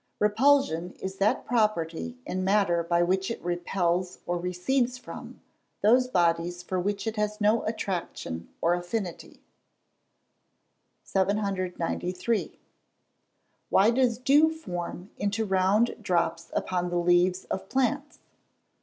_ Repulsion is that property in matter by which it repels or recedes from, those bodies for which it has no attraction or affinity. 793. _Why does dew form into round drops upon the leaves of plants?